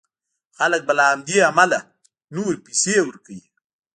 خلک به له همدې امله نورې پيسې ورکوي.